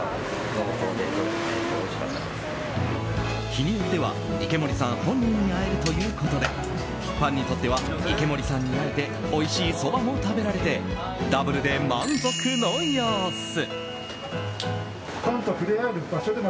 日によっては池森さん本人に会えるということでファンにとっては池森さんに会えておいしいそばも食べられてダブルで満足の様子。